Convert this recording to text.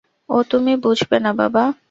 ও তুমি বুঝবে না বাবা।